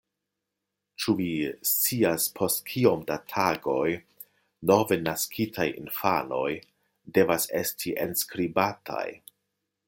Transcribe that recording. Ĉu vi scias, post kiom da tagoj nove naskitaj infanoj devas esti enskribataj?